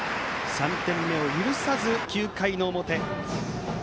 ３点目を許さず、９回の表。